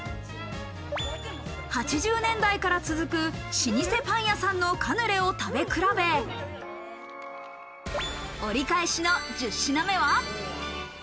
８０年代から続く老舗パン屋さんのカヌレを食べ比べ、折り返しの１０品目は。